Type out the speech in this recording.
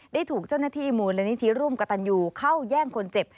ได้ถูกเจ้าหน้าที่มูลนิธิร่วมกระตันยูเข้าแย่งคนเจ็บ